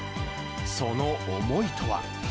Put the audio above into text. その思いとは。